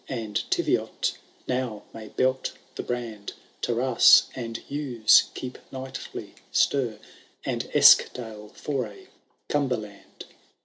And Teviot now may belt the biand. Tares and Ewes keep nightly stir. And Eskdale fomy Cumberland.